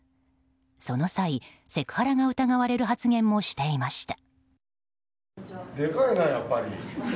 その際、セクハラが疑われる発言もしていました。